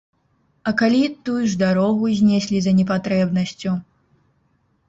А калі тую ж дарогу знеслі за непатрэбнасцю?